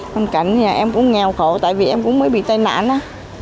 trong cảnh nhà em cũng nghèo khổ tại vì em cũng mới bị tai nạn á